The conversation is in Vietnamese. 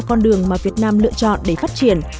con đường mà việt nam lựa chọn để phát triển